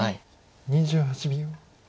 ２８秒。